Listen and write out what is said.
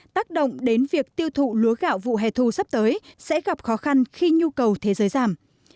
tác động đến việc tiêu thụ lúa gạo vụ hè thu sắp tới sẽ gặp khó khăn khi nhu cầu thế giới giảm